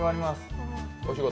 お仕事。